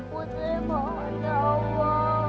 putri mohon ya allah